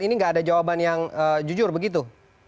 ini nggak ada jawaban yang jujur begitu